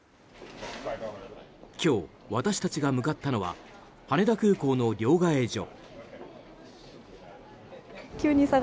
今日、私たちが向かったのは羽田空港の両替所。